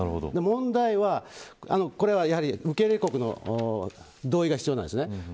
問題は、これは受け入れ国の同意が必要なんですね。